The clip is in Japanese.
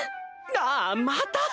ああっまた！